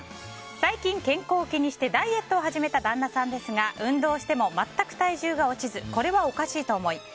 最近、健康を気にしてダイエットを始めた旦那さんですが運動しても全く体重が落ちずこれはおかしいと思い